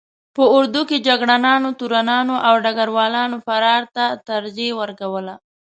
په اردو کې جګړه نانو، تورنانو او ډګر والانو فرار ته ترجیح ورکوله.